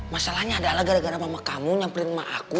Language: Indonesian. masalahnya adalah gara gara emak kamu nyamperin emak aku